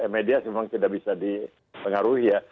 media memang tidak bisa dipengaruhi ya